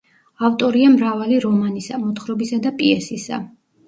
ავტორია მრავალი რომანისა, მოთხრობისა და პიესისა.